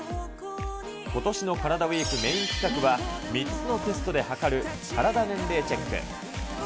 ことしのカラダＷＥＥＫメイン企画は、３つのテストで測るカラダ年齢チェック。